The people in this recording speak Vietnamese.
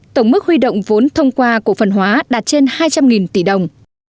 tổng mức huy động vốn thông qua cổ phần hóa đạt trên hai trăm linh tỷ đồng